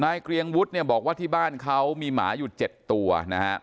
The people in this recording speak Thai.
เกรียงวุฒิเนี่ยบอกว่าที่บ้านเขามีหมาอยู่๗ตัวนะฮะ